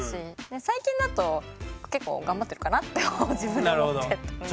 最近だと結構頑張ってるかなって自分で思ってたので。